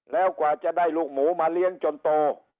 แล้วกว่าจะได้ลูกหมูมาเลี้ยงจนโต